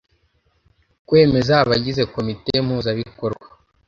Kwemeza abagize Komite Mpuzabikorwa;